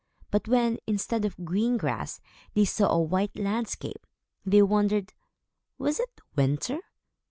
But when, instead of green grass, they saw a white landscape, they wondered, Was it winter?